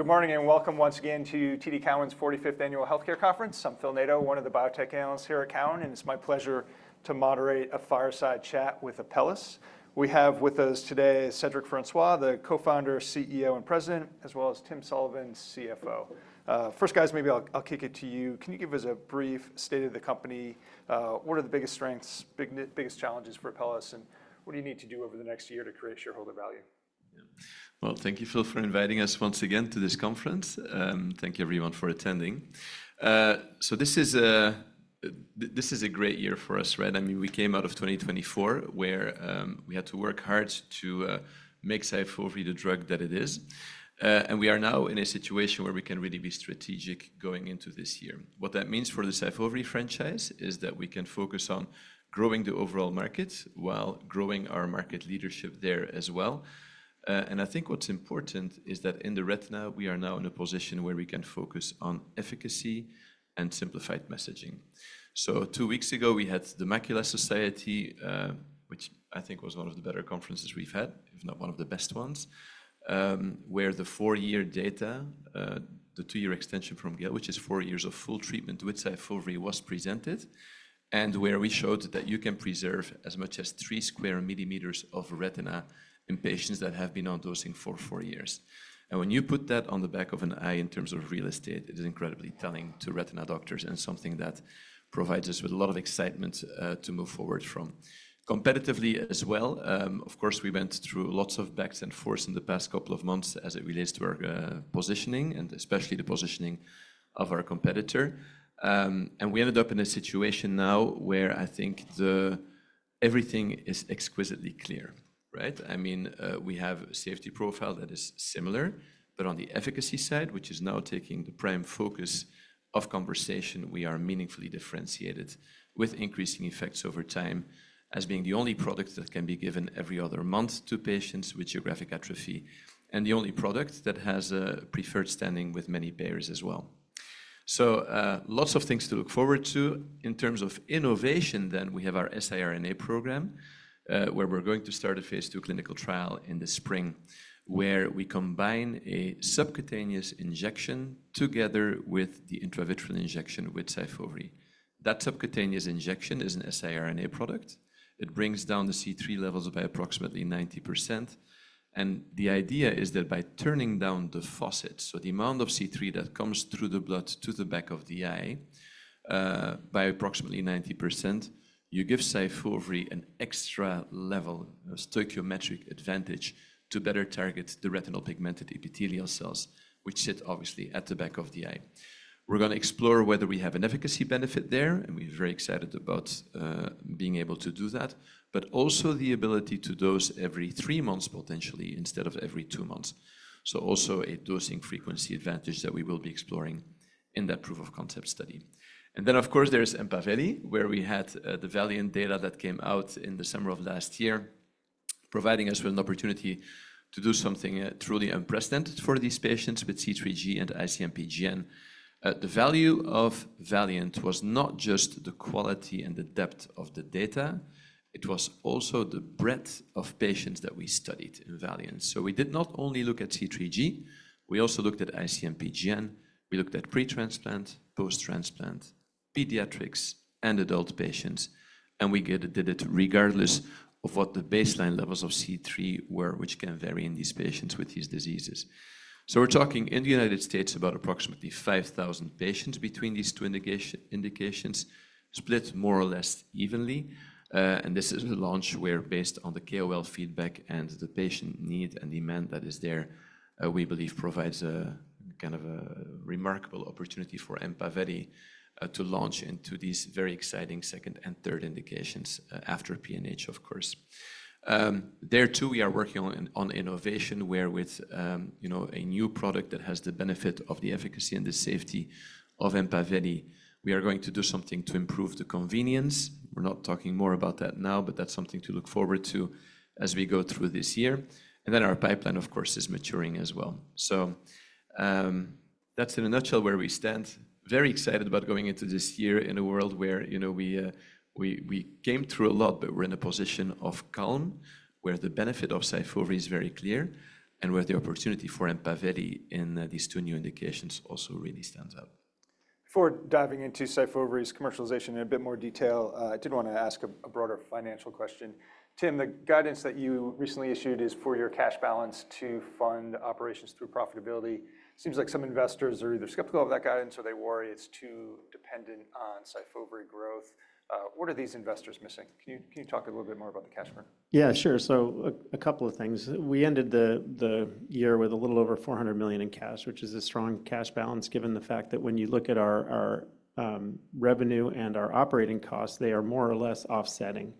Good morning and welcome once again to TD Cowen's 45th Annual Health Care Conference. I'm Phil Nadeau, one of the biotech Analysts here at Cowen, and it's my pleasure to moderate a fireside chat with Apellis. We have with us today Cedric Francois, the Co-founder, CEO, and President, as well as Tim Sullivan, CFO. First, guys, maybe I'll kick it to you. Can you give us a brief state of the company? What are the biggest strengths, biggest challenges for Apellis, and what do you need to do over the next year to create shareholder value? Thank you, Phil, for inviting us once again to this conference. Thank you, everyone, for attending. This is a great year for us, right? I mean, we came out of 2024 where we had to work hard to make SYFOVRE the drug that it is. We are now in a situation where we can really be strategic going into this year. What that means for the SYFOVRE franchise is that we can focus on growing the overall market while growing our market leadership there as well. I think what's important is that in the retina, we are now in a position where we can focus on efficacy and simplified messaging. Two weeks ago, we had The Macula Society, which I think was one of the better conferences we've had, if not one of the best ones, where the four-year data, the two-year extension from GALE, which is four years of full treatment with SYFOVRE, was presented, and where we showed that you can preserve as much as three square millimeters of retina in patients that have been on dosing for four years. When you put that on the back of an eye in terms of real estate, it is incredibly telling to retina doctors and something that provides us with a lot of excitement to move forward from. Competitively as well, of course, we went through lots of back and forths in the past couple of months as it relates to our positioning and especially the positioning of our competitor. We ended up in a situation now where I think everything is exquisitely clear, right? I mean, we have a safety profile that is similar, but on the efficacy side, which is now taking the prime focus of conversation, we are meaningfully differentiated with increasing effects over time as being the only product that can be given every other month to patients with geographic atrophy and the only product that has a preferred standing with many payers as well. So lots of things to look forward to. In terms of innovation, then we have our siRNA program where we're going to start a phase II clinical trial in the spring where we combine a subcutaneous injection together with the intravitreal injection with SYFOVRE. That subcutaneous injection is an siRNA product. It brings down the C3 levels by approximately 90%. The idea is that by turning down the faucet, so the amount of C3 that comes through the blood to the back of the eye by approximately 90%, you give SYFOVRE an extra level of stoichiometric advantage to better target the retinal pigment epithelial cells, which sit obviously at the back of the eye. We're going to explore whether we have an efficacy benefit there, and we're very excited about being able to do that, but also the ability to dose every three months potentially instead of every two months. So also a dosing frequency advantage that we will be exploring in that proof of concept study. And then, of course, there's EMPAVELI, where we had the VALIANT data that came out in the summer of last year, providing us with an opportunity to do something truly unprecedented for these patients with C3G and IC-MPGN. The value of VALIANT was not just the quality and the depth of the data. It was also the breadth of patients that we studied in VALIANT. So we did not only look at C3G. We also looked at IC-MPGN. We looked at pre-transplant, post-transplant, pediatrics, and adult patients. And we did it regardless of what the baseline levels of C3 were, which can vary in these patients with these diseases. So we're talking in the United States about approximately 5,000 patients between these two indications, split more or less evenly. And this is a launch where, based on the KOL feedback and the patient need and demand that is there, we believe provides a kind of a remarkable opportunity for EMPAVELI to launch into these very exciting second and third indications after PNH, of course. There too, we are working on innovation where with a new product that has the benefit of the efficacy and the safety of EMPAVELI, we are going to do something to improve the convenience. We're not talking more about that now, but that's something to look forward to as we go through this year, and then our pipeline, of course, is maturing as well, so that's in a nutshell where we stand. Very excited about going into this year in a world where we came through a lot, but we're in a position of calm where the benefit of SYFOVRE is very clear and where the opportunity for EMPAVELI in these two new indications also really stands out. Before diving into SYFOVRE's commercialization in a bit more detail, I did want to ask a broader financial question. Tim, the guidance that you recently issued is for your cash balance to fund operations through profitability. Seems like some investors are either skeptical of that guidance or they worry it's too dependent on SYFOVRE growth. What are these investors missing? Can you talk a little bit more about the cash growth? Yeah, sure. So a couple of things. We ended the year with a little over $400 million in cash, which is a strong cash balance given the fact that when you look at our revenue and our operating costs, they are more or less offsetting.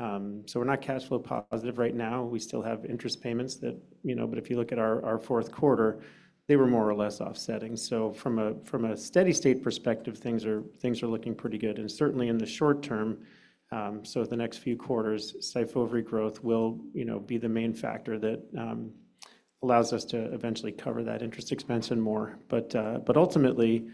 So we're not cash flow positive right now. We still have interest payments, but if you look at our fourth quarter, they were more or less offsetting. So from a steady state perspective, things are looking pretty good. And certainly in the short term, so the next few quarters, SYFOVRE growth will be the main factor that allows us to eventually cover that interest expense and more. But ultimately,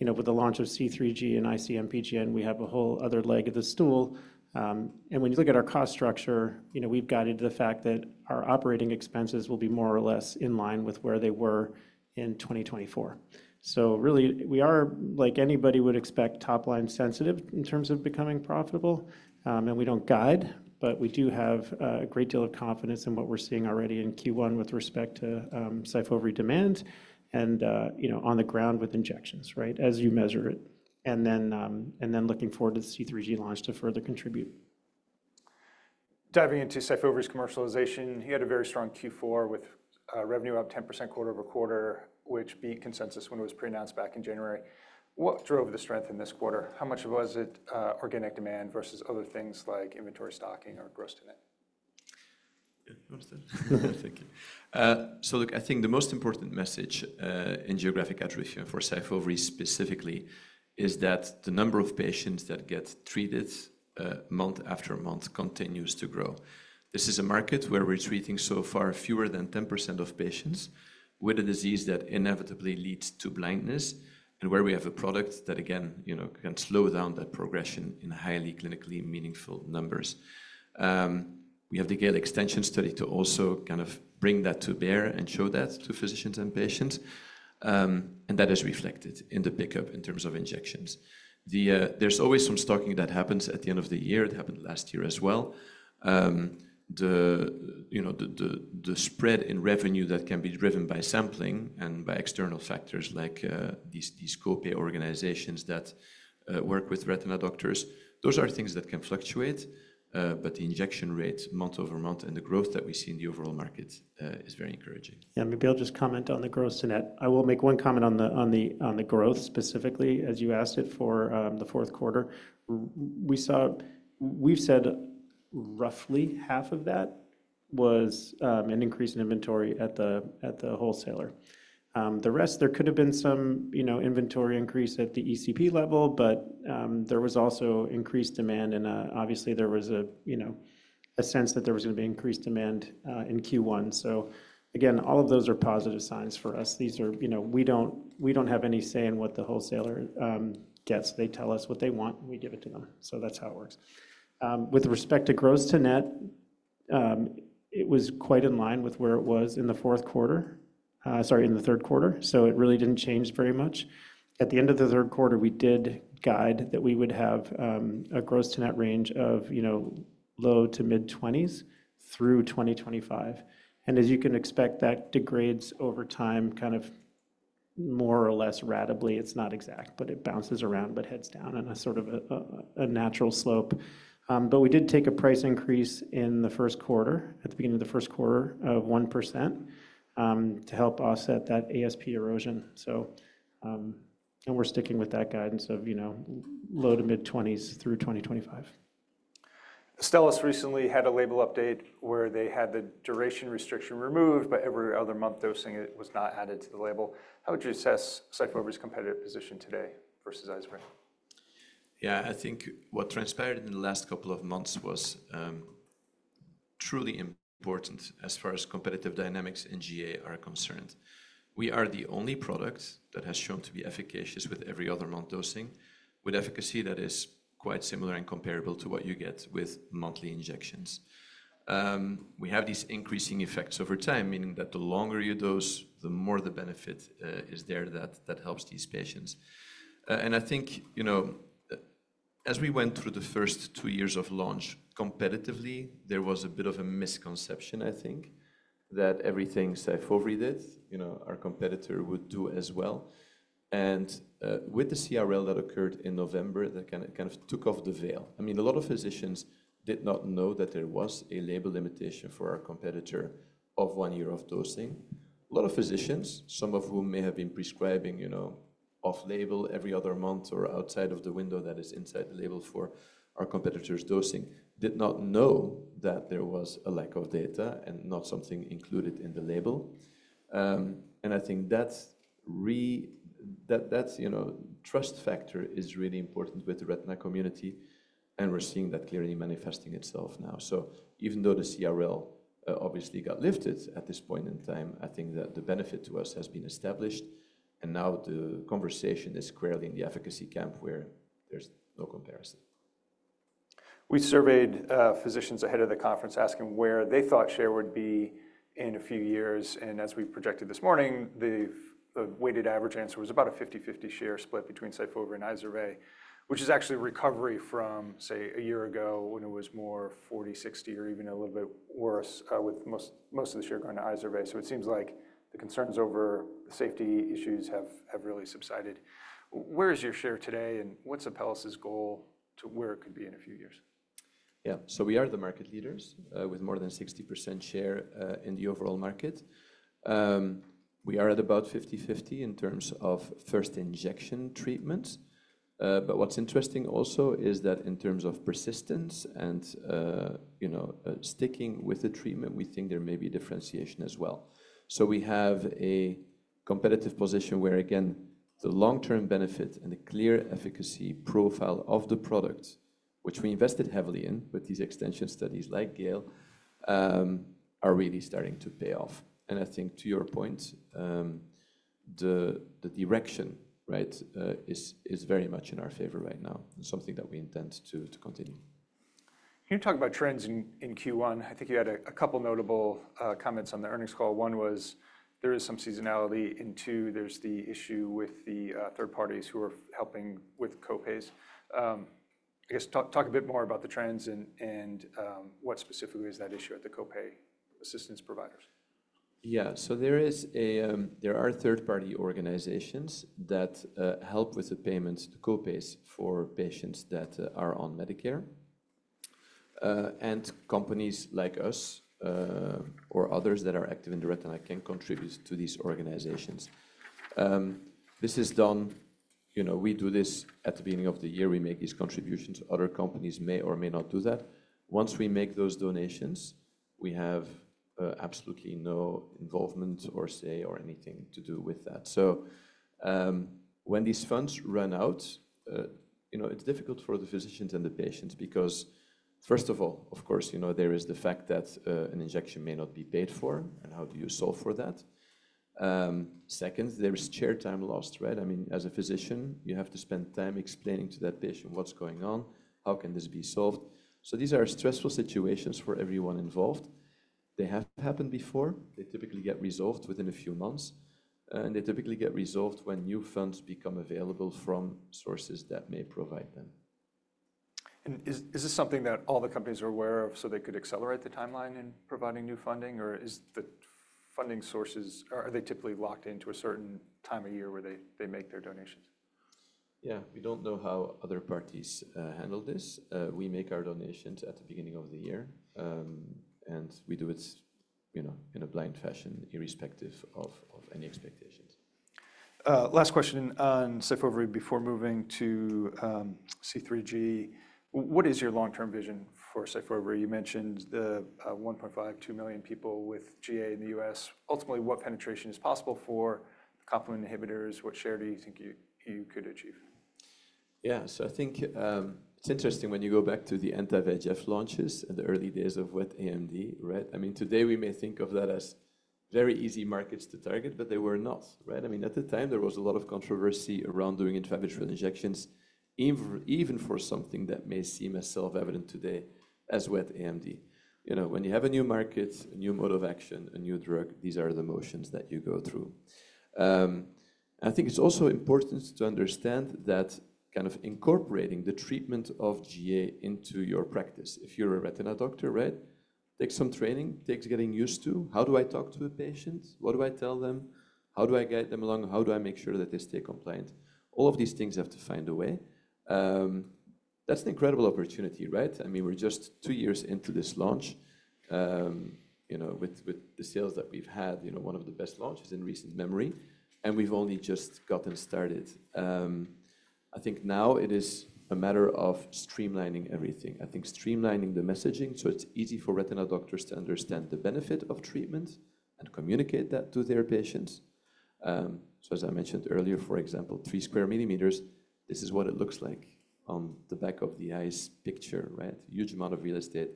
with the launch of C3G and IC-MPGN, we have a whole other leg of the stool. And when you look at our cost structure, we've guided the fact that our operating expenses will be more or less in line with where they were in 2024. So really, we are, like anybody would expect, top-line sensitive in terms of becoming profitable. And we don't guide, but we do have a great deal of confidence in what we're seeing already in Q1 with respect to SYFOVRE demand and on the ground with injections, right, as you measure it. And then looking forward to the C3G launch to further contribute. Diving into SYFOVRE's commercialization, you had a very strong Q4 with revenue up 10% quarter-over-quarter, which beat consensus when it was pre-announced back in January. What drove the strength in this quarter? How much was it organic demand versus other things like inventory stocking or gross-to-net? Thank you. So look, I think the most important message in geographic atrophy for SYFOVRE specifically is that the number of patients that get treated month after month continues to grow. This is a market where we're treating so far fewer than 10% of patients with a disease that inevitably leads to blindness and where we have a product that, again, can slow down that progression in highly clinically meaningful numbers. We have the GALE extension study to also kind of bring that to bear and show that to physicians and patients. And that is reflected in the pickup in terms of injections. There's always some stocking that happens at the end of the year. It happened last year as well. The spread in revenue that can be driven by sampling and by external factors like these co-pay organizations that work with retina doctors, those are things that can fluctuate. But the injection rate month over month and the growth that we see in the overall market is very encouraging. Yeah, maybe I'll just comment on the gross-to-net. I will make one comment on the growth specifically as you asked it for the fourth quarter. We've said roughly half of that was an increase in inventory at the wholesaler. The rest, there could have been some inventory increase at the ECP level, but there was also increased demand. And obviously, there was a sense that there was going to be increased demand in Q1. So again, all of those are positive signs for us. We don't have any say in what the wholesaler gets. They tell us what they want, and we give it to them. So that's how it works. With respect to gross-to-net, it was quite in line with where it was in the fourth quarter, sorry, in the third quarter. So it really didn't change very much. At the end of the third quarter, we did guide that we would have a gross-to-net range of low to mid-20s through 2025. And as you can expect, that degrades over time kind of more or less ratably. It's not exact, but it bounces around but heads down in a sort of a natural slope. But we did take a price increase in the first quarter, at the beginning of the first quarter, of 1% to help offset that ASP erosion. And we're sticking with that guidance of low to mid-20s through 2025. Astellas recently had a label update where they had the duration restriction removed, but every other month dosing was not added to the label. How would you assess SYFOVRE's competitive position today versus IZERVAY? Yeah, I think what transpired in the last couple of months was truly important as far as competitive dynamics in GA are concerned. We are the only product that has shown to be efficacious with every other month dosing with efficacy that is quite similar and comparable to what you get with monthly injections. We have these increasing effects over time, meaning that the longer you dose, the more the benefit is there that helps these patients, and I think as we went through the first two years of launch, competitively, there was a bit of a misconception, I think, that everything SYFOVRE did, our competitor would do as well, and with the CRL that occurred in November, that kind of took off the veil. I mean, a lot of physicians did not know that there was a label limitation for our competitor of 1 year of dosing. A lot of physicians, some of whom may have been prescribing off-label every other month or outside of the window that is inside the label for our competitor's dosing, did not know that there was a lack of data and not something included in the label. And I think that trust factor is really important with the retina community, and we're seeing that clearly manifesting itself now. So even though the CRL obviously got lifted at this point in time, I think that the benefit to us has been established. And now the conversation is squarely in the efficacy camp where there's no comparison. We surveyed physicians ahead of the conference asking where they thought share would be in a few years. And as we projected this morning, the weighted average answer was about a 50/50 share split between SYFOVRE and IZERVAY, which is actually recovery from, say, a year ago when it was more 40/60 or even a little bit worse with most of the share going to IZERVAY. So it seems like the concerns over safety issues have really subsided. Where is your share today and what's Apellis's goal to where it could be in a few years? Yeah, so we are the market leaders with more than 60% share in the overall market. We are at about 50/50 in terms of first injection treatments. But what's interesting also is that in terms of persistence and sticking with the treatment, we think there may be differentiation as well. So we have a competitive position where, again, the long-term benefit and the clear efficacy profile of the product, which we invested heavily in with these extension studies like GALE, are really starting to pay off. And I think to your point, the direction is very much in our favor right now and something that we intend to continue. Can you talk about trends in Q1? I think you had a couple notable comments on the earnings call. One was there is some seasonality. And two, there's the issue with the third parties who are helping with co-pays. I guess talk a bit more about the trends and what specifically is that issue at the co-pay assistance providers? Yeah, so there are third-party organizations that help with the payments, the co-pays for patients that are on Medicare. And companies like us or others that are active in the retina can contribute to these organizations. This is done, we do this at the beginning of the year. We make these contributions. Other companies may or may not do that. Once we make those donations, we have absolutely no involvement or say or anything to do with that. So when these funds run out, it's difficult for the physicians and the patients because, first of all, of course, there is the fact that an injection may not be paid for and how do you solve for that? Second, there is chair time lost, right? I mean, as a physician, you have to spend time explaining to that patient what's going on, how can this be solved? So these are stressful situations for everyone involved. They have happened before. They typically get resolved within a few months. And they typically get resolved when new funds become available from sources that may provide them. Is this something that all the companies are aware of so they could accelerate the timeline in providing new funding? Or is the funding sources, are they typically locked into a certain time of year where they make their donations? Yeah, we don't know how other parties handle this. We make our donations at the beginning of the year, and we do it in a blind fashion, irrespective of any expectations. Last question on SYFOVRE before moving to C3G. What is your long-term vision for SYFOVRE? You mentioned the 1.5-2 million people with GA in the U.S. Ultimately, what penetration is possible for complement inhibitors? What share do you think you could achieve? Yeah, so I think it's interesting when you go back to the anti-VEGF launches in the early days of wet AMD, right? I mean, today we may think of that as very easy markets to target, but they were not, right? I mean, at the time, there was a lot of controversy around doing intravitreal injections, even for something that may seem as self-evident today as wet AMD. When you have a new market, a new mode of action, a new drug, these are the motions that you go through. I think it's also important to understand that kind of incorporating the treatment of GA into your practice. If you're a retina doctor, right, take some training, take getting used to, how do I talk to a patient? What do I tell them? How do I guide them along? How do I make sure that they stay compliant? All of these things have to find a way. That's an incredible opportunity, right? I mean, we're just two years into this launch with the sales that we've had, one of the best launches in recent memory, and we've only just gotten started. I think now it is a matter of streamlining everything. I think streamlining the messaging so it's easy for retina doctors to understand the benefit of treatment and communicate that to their patients, so as I mentioned earlier, for example, three square millimeters, this is what it looks like on the back of the eyes picture, right? Huge amount of real estate.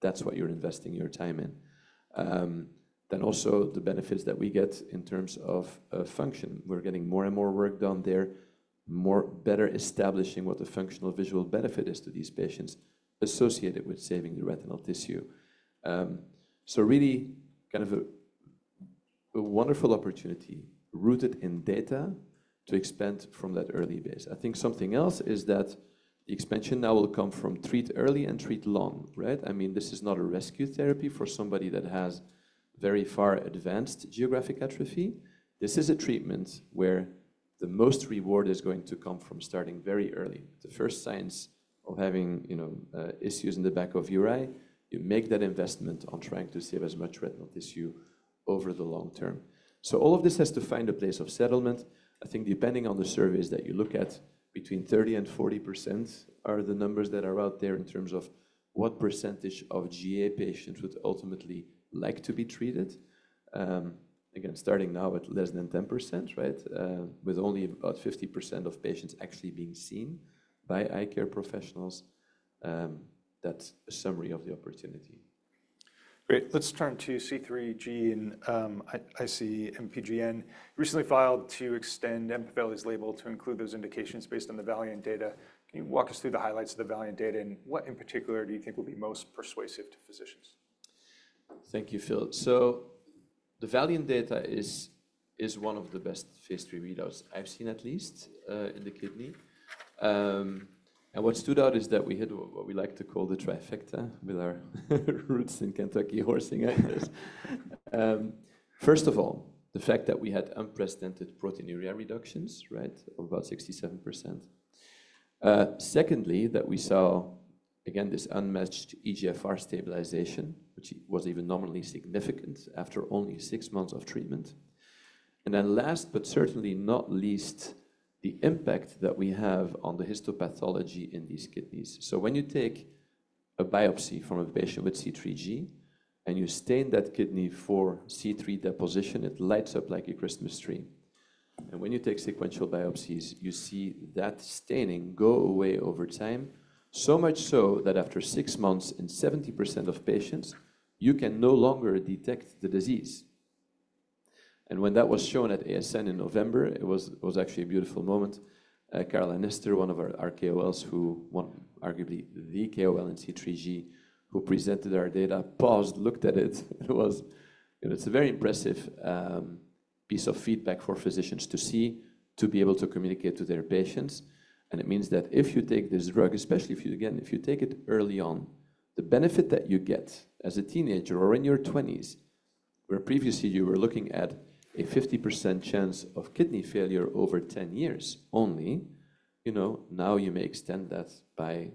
That's what you're investing your time in, then also the benefits that we get in terms of function. We're getting more and more work done there, better establishing what the functional visual benefit is to these patients associated with saving the retinal tissue. So really kind of a wonderful opportunity rooted in data to expand from that early base. I think something else is that the expansion now will come from treat early and treat long, right? I mean, this is not a rescue therapy for somebody that has very far advanced geographic atrophy. This is a treatment where the most reward is going to come from starting very early. The first signs of having issues in the back of your eye, you make that investment on trying to save as much retinal tissue over the long term. So all of this has to find a place of settlement. I think depending on the surveys that you look at, between 30% and 40% are the numbers that are out there in terms of what percentage of GA patients would ultimately like to be treated. Again, starting now at less than 10%, right? With only about 50% of patients actually being seen by eye care professionals, that's a summary of the opportunity. Great. Let's turn to C3G. And IC-MPGN recently filed to extend EMPAVELI's label to include those indications based on the VALIANT data. Can you walk us through the highlights of the VALIANT data and what in particular do you think will be most persuasive to physicians? Thank you, Phil. So the VALIANT data is one of the best phase III readouts I've seen at least in the kidney. And what stood out is that we had what we like to call the trifecta with our roots in Kentucky horse racing. First of all, the fact that we had unprecedented proteinuria reductions, right, of about 67%. Secondly, that we saw, again, this unmatched eGFR stabilization, which was even nominally significant after only six months of treatment. And then last, but certainly not least, the impact that we have on the histopathology in these kidneys. So when you take a biopsy from a patient with C3G and you stain that kidney for C3 deposition, it lights up like a Christmas tree. When you take sequential biopsies, you see that staining go away over time, so much so that after six months in 70% of patients, you can no longer detect the disease. When that was shown at ASN in November, it was actually a beautiful moment. Carla Nester, one of our KOLs, who arguably the KOL in C3G, who presented our data, paused, looked at it. It was a very impressive piece of feedback for physicians to see, to be able to communicate to their patients. It means that if you take this drug, especially if you, again, if you take it early on, the benefit that you get as a teenager or in your 20s, where previously you were looking at a 50% chance of kidney failure over 10 years only, now you may extend that by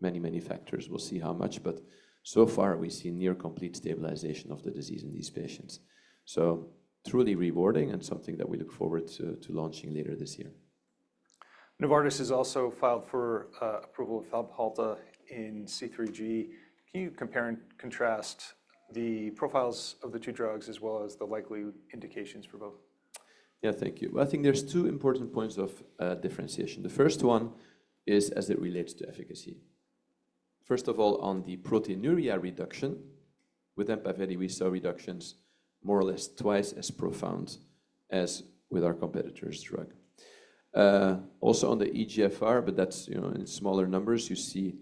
many, many factors. We'll see how much, but so far we see near complete stabilization of the disease in these patients. So truly rewarding and something that we look forward to launching later this year. Novartis has also filed for approval of Fabhalta in C3G. Can you compare and contrast the profiles of the two drugs as well as the likely indications for both? Yeah, thank you. Well, I think there's two important points of differentiation. The first one is as it relates to efficacy. First of all, on the proteinuria reduction, with EMPAVELI, we saw reductions more or less twice as profound as with our competitor's drug. Also on the eGFR, but that's in smaller numbers, you see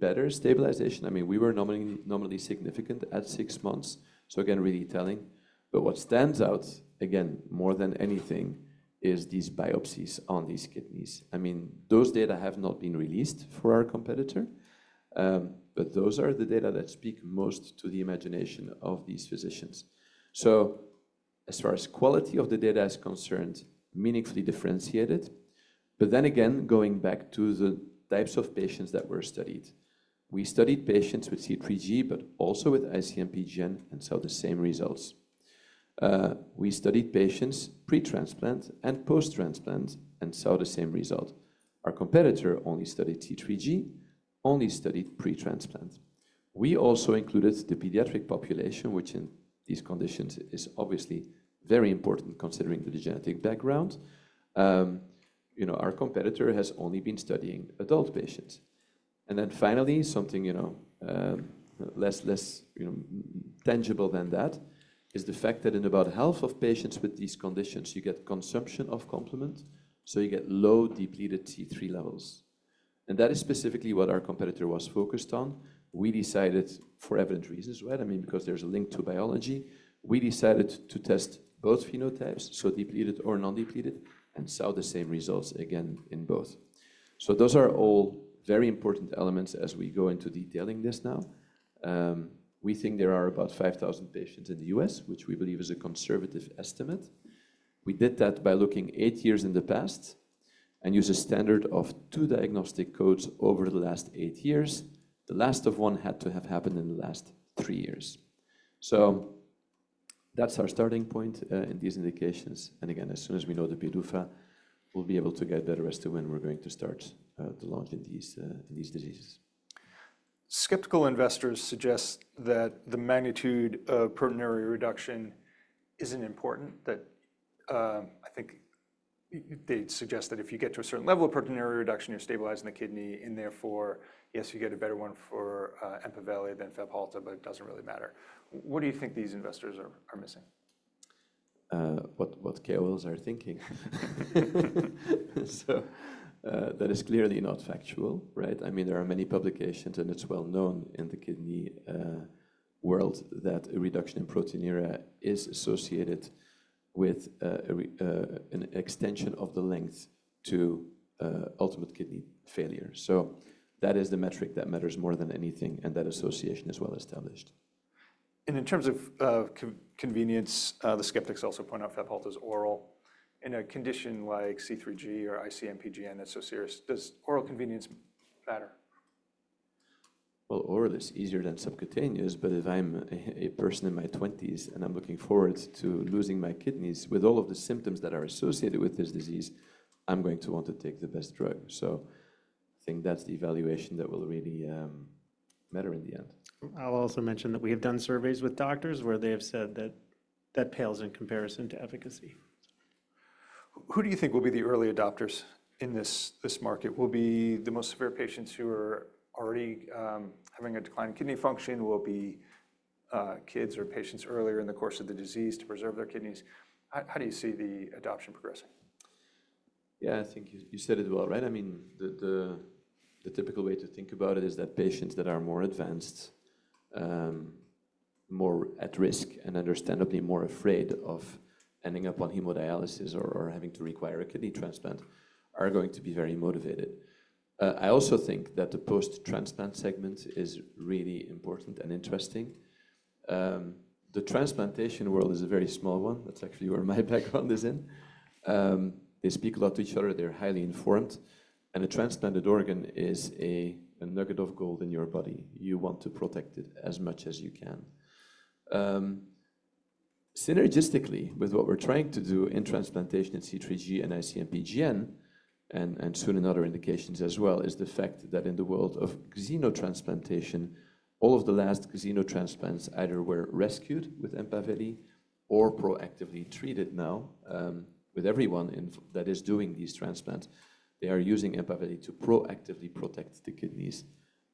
"better stabilization." I mean, we were nominally significant at six months. So again, really telling. But what stands out, again, more than anything, is these biopsies on these kidneys. I mean, those data have not been released for our competitor, but those are the data that speak most to the imagination of these physicians. So as far as quality of the data is concerned, meaningfully differentiated. But then again, going back to the types of patients that were studied, we studied patients with C3G, but also with IC-MPGN and saw the same results. We studied patients pre-transplant and post-transplant and saw the same result. Our competitor only studied C3G, only studied pre-transplant. We also included the pediatric population, which in these conditions is obviously very important considering the genetic background. Our competitor has only been studying adult patients, and then finally, something less tangible than that is the fact that in about half of patients with these conditions, you get consumption of complement, so you get low depleted C3 levels, and that is specifically what our competitor was focused on. We decided for evident reasons, right? I mean, because there's a link to biology, we decided to test both phenotypes, so depleted or non-depleted, and saw the same results again in both, so those are all very important elements as we go into detailing this now. We think there are about 5,000 patients in the U.S., which we believe is a conservative estimate. We did that by looking 8 years in the past and used a standard of two diagnostic codes over the last 8 years. The last of one had to have happened in the last 3 years. So that's our starting point in these indications. And again, as soon as we know the PDUFA, we'll be able to get better as to when we're going to start the launch in these diseases. Skeptical investors suggest that the magnitude of proteinuria reduction isn't important, that I think they suggest that if you get to a certain level of proteinuria reduction, you're stabilizing the kidney, and therefore, yes, you get a better one for EMPAVELI than Fabhalta, but it doesn't really matter. What do you think these investors are missing? What KOLs are thinking. So that is clearly not factual, right? I mean, there are many publications and it's well known in the kidney world that a reduction in proteinuria is associated with an extension of the length to ultimate kidney failure. So that is the metric that matters more than anything. And that association is well established. In terms of convenience, the skeptics also point out Fabhalta's oral. In a condition like C3G or IC-MPGN that's so serious, does oral convenience matter? Oral is easier than subcutaneous. If I'm a person in my 20s and I'm looking forward to losing my kidneys with all of the symptoms that are associated with this disease, I'm going to want to take the best drug. I think that's the evaluation that will really matter in the end. I'll also mention that we have done surveys with doctors where they have said that that pales in comparison to efficacy. Who do you think will be the early adopters in this market? Will be the most severe patients who are already having a decline in kidney function, or will be kids or patients earlier in the course of the disease to preserve their kidneys. How do you see the adoption progressing? Yeah, I think you said it well, right? I mean, the typical way to think about it is that patients that are more advanced, more at risk, and understandably more afraid of ending up on hemodialysis or having to require a kidney transplant are going to be very motivated. I also think that the post-transplant segment is really important and interesting. The transplantation world is a very small one. That's actually where my background is in. They speak a lot to each other. They're highly informed, and a transplanted organ is a nugget of gold in your body. You want to protect it as much as you can. Synergistically, with what we're trying to do in transplantation in C3G and IC-MPGN, and soon in other indications as well, is the fact that in the world of xenotransplantation, all of the last xenotransplants either were rescued with EMPAVELI or proactively treated now with everyone that is doing these transplants. They are using EMPAVELI to proactively protect the kidneys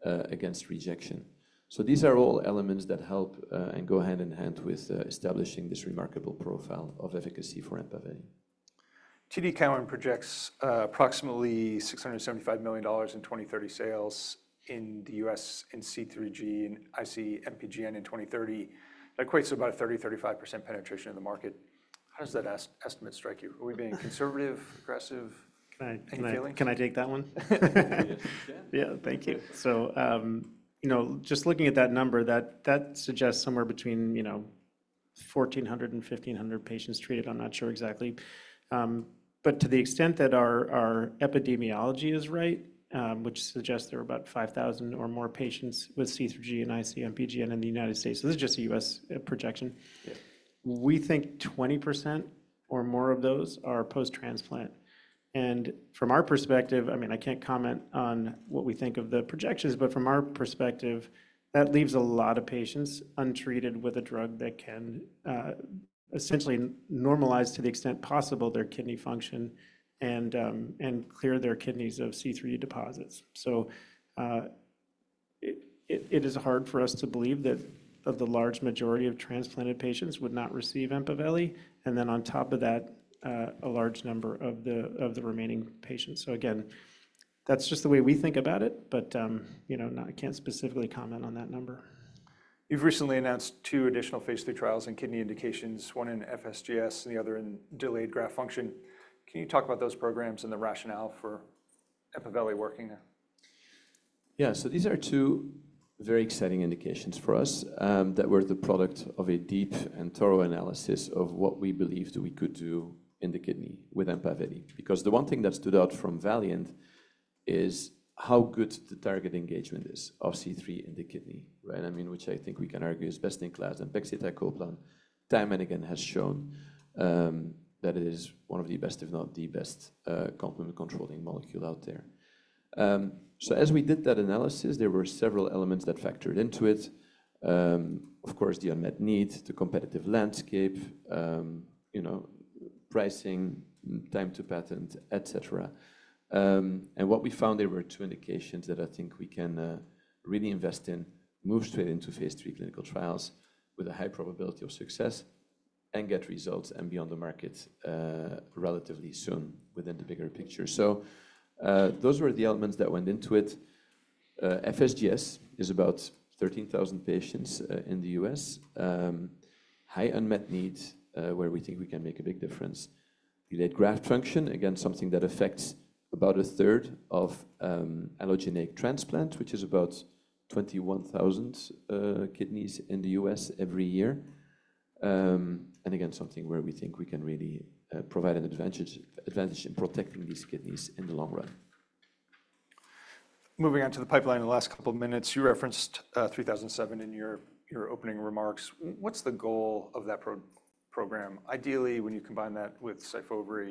against rejection. So these are all elements that help and go hand in hand with establishing this remarkable profile of efficacy for EMPAVELI. TD Cowen projects approximately $675 million in 2030 sales in the U.S. in C3G and IC-MPGN in 2030. That equates to about a 30%-35% penetration in the market. How does that estimate strike you? Are we being conservative, aggressive. Can I take that one? Yeah, thank you. So just looking at that number, that suggests somewhere between 1,400 and 1,500 patients treated. I'm not sure exactly. But to the extent that our epidemiology is right, which suggests there are about 5,000 or more patients with C3G and IC-MPGN in the United States, this is just a U.S. projection, we think 20% or more of those are post-transplant. And from our perspective, I mean, I can't comment on what we think of the projections, but from our perspective, that leaves a lot of patients untreated with a drug that can essentially normalize to the extent possible their kidney function and clear their kidneys of C3 deposits. So it is hard for us to believe that the large majority of transplanted patients would not receive EMPAVELI. And then on top of that, a large number of the remaining patients. So again, that's just the way we think about it, but I can't specifically comment on that number. You've recently announced two additional phase III trials in kidney indications, one in FSGS and the other in delayed graft function. Can you talk about those programs and the rationale for EMPAVELI working there? Yeah, so these are two very exciting indications for us that were the product of a deep and thorough analysis of what we believe we could do in the kidney with EMPAVELI. Because the one thing that stood out from VALIANT is how good the target engagement is of C3 in the kidney, right? I mean, which I think we can argue is best in class. And pegcetacoplan, time and again has shown that it is one of the best, if not the best complement controlling molecule out there. So as we did that analysis, there were several elements that factored into it. Of course, the unmet need, the competitive landscape, pricing, time to patent, et cetera. What we found, there were two indications that I think we can really invest in, move straight into phase III clinical trials with a high probability of success and get results and be on the market relatively soon within the bigger picture. So those were the elements that went into it. FSGS is about 13,000 patients in the U.S., high unmet need where we think we can make a big difference. Delayed graft function, again, something that affects about 1/3 of allogeneic transplant, which is about 21,000 kidneys in the U.S. every year. And again, something where we think we can really provide an advantage in protecting these kidneys in the long run. Moving on to the pipeline in the last couple of minutes, you referenced APL-3007 in your opening remarks. What's the goal of that program? Ideally, when you combine that with SYFOVRE,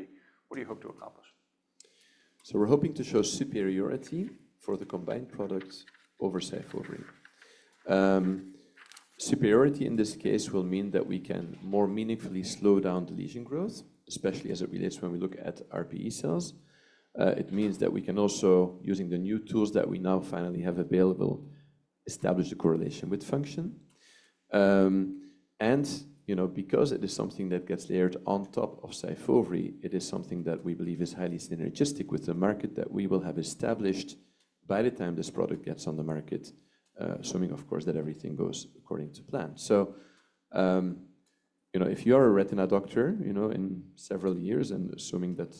what do you hope to accomplish? We're hoping to show superiority for the combined product over SYFOVRE. Superiority in this case will mean that we can more meaningfully slow down the lesion growth, especially as it relates when we look at RPE cells. It means that we can also, using the new tools that we now finally have available, establish a correlation with function. And because it is something that gets layered on top of SYFOVRE, it is something that we believe is highly synergistic with the market that we will have established by the time this product gets on the market, assuming, of course, that everything goes according to plan. So if you are a retina doctor in several years and assuming that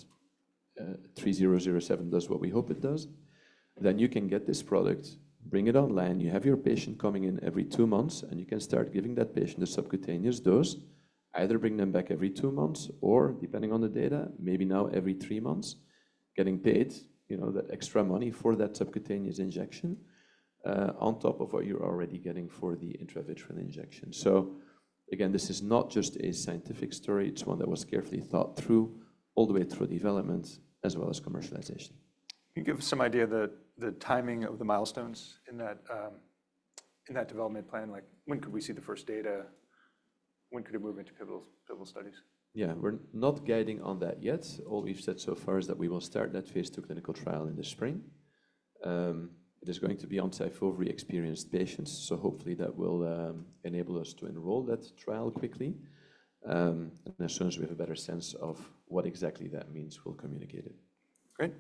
APL-3007 does what we hope it does, then you can get this product, bring it online, you have your patient coming in every two months, and you can start giving that patient a subcutaneous dose, either bring them back every two months or, depending on the data, maybe now every three months, getting paid that extra money for that subcutaneous injection on top of what you're already getting for the intravitreal injection. So again, this is not just a scientific story. It's one that was carefully thought through all the way through development as well as commercialization. Can you give us some idea of the timing of the milestones in that development plan? When could we see the first data? When could it move into pivotal studies? Yeah, we're not guiding on that yet. All we've said so far is that we will start that phase II clinical trial in the spring. It is going to be on SYFOVRE experienced patients. So hopefully that will enable us to enroll that trial quickly. And as soon as we have a better sense of what exactly that means, we'll communicate it. Great.